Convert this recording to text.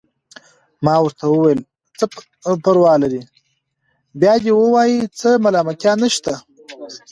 ما ورته وویل: څه پروا لري، بیا دې ووايي، څه ملامتیا نشته.